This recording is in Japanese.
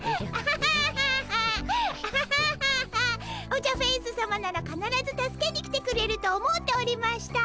オジャフェウスさまならかならず助けに来てくれると思うておりました。